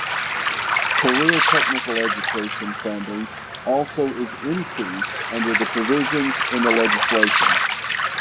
Career technical education funding also is increased under the provisions in the legislation.